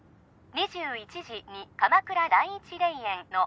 ２１時に鎌倉第一霊園の